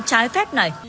trái phép này